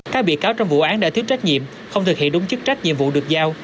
các bị cáo trong vụ án đã thiếu trách nhiệm không thực hiện đúng chức trách nhiệm vụ được giao